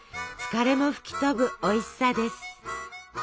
疲れも吹き飛ぶおいしさです。